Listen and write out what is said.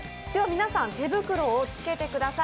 皆さん、手袋を着けてください。